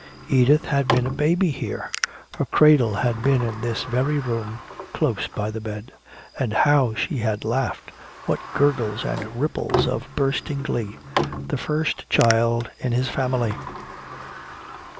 Edith had been a baby here. Her cradle had been in this very room, close by the bed. And how she had laughed! What gurgles and ripples of bursting glee! The first child in his family....